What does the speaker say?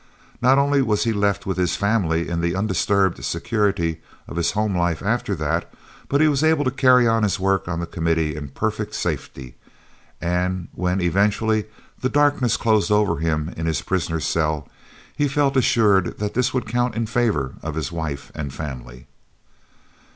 Not only was he left with his family in the undisturbed security of his home life after that, but he was able to carry on his work on the Committee in perfect safety, and when eventually the darkness closed over him in his prisoner's cell, he felt assured that this would count in favour of his wife and family.